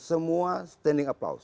semua standing applause